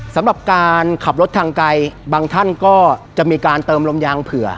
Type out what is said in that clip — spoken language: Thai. สำหรับการขับรถทางไกลบางท่านก็จะมีการเติมลมยางเผื่อ